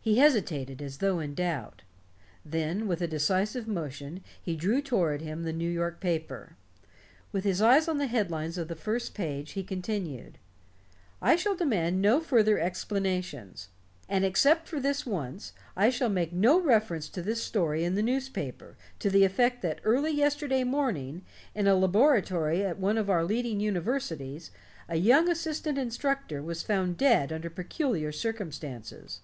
He hesitated, as though in doubt. Then, with a decisive motion, he drew toward him the New York paper. With his eyes on the head lines of the first page, he continued: "I shall demand no further explanations. And except for this once, I shall make no reference to this story in the newspaper, to the effect that early yesterday morning, in a laboratory at one of our leading universities, a young assistant instructor was found dead under peculiar circumstances."